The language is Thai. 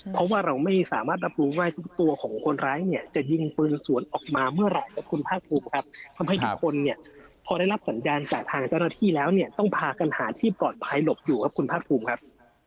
เพราะว่าเราไม่สามารถรับรู้ว่าทุกตัวของคนร้ายเนี่ยจะยิงปืนสวนออกมาเมื่อไหร่ครับคุณภาคภูมิครับทำให้ทุกคนเนี่ยพอได้รับสัญญาณจากทางเจ้าหน้าที่แล้วเนี่ยต้องพากันหาที่ปลอดภัยหลบอยู่ครับคุณภาคภูมิครับ